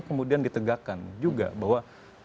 kemudian ditegakkan juga bahwa